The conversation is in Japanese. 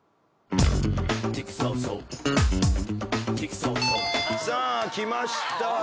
さあ来ました